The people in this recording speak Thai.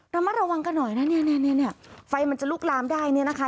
ระมัดระวังกันหน่อยนะเนี่ยไฟมันจะลุกลามได้เนี่ยนะคะ